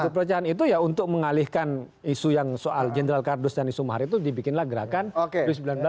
perpecahan itu ya untuk mengalihkan isu yang soal jenderal kardus dan isu mahar itu dibikinlah gerakan dua ribu sembilan belas